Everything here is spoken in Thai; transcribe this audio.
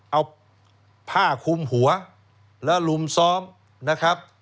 เอาผ้าคุมหัวแล้วลุมซ้อมนะครับ